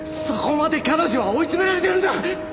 そこまで彼女は追い詰められてるんだ！